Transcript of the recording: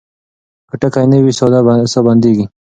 که ټکی نه وي ساه بندېږي.